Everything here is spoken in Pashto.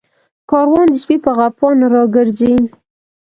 کاروان د سپي په غپا نه راگرځي